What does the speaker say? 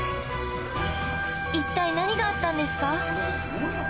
一体何があったんですか？